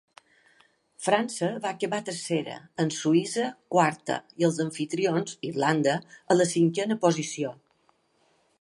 França va acabar tercera, amb Suïssa quarta i els amfitrions, Irlanda, a la cinquena posició.